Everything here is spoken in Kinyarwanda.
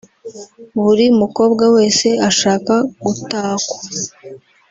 Buri mukobwa wese ashaka gutakwa